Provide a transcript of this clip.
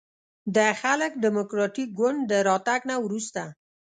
د خلق دیموکراتیک ګوند د راتګ نه وروسته